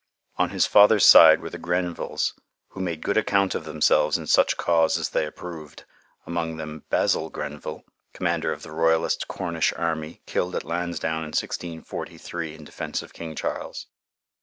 On his father's side were the Grenvilles, who made good account of themselves in such cause as they approved, among them Basil Grenville, commander of the Royalist Cornish Army, killed at Lansdown in 1643 in defence of King Charles.